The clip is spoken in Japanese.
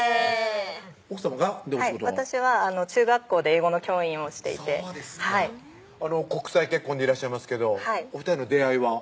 奥さまがお仕事は私は中学校で英語の教員をしていてそうですか国際結婚でいらっしゃいますけどお２人の出会いは？